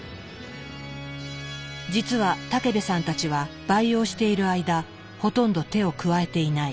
実は武部さんたちは培養している間ほとんど手を加えていない。